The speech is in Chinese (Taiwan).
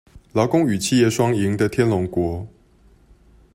勞工與企業雙贏的天龍國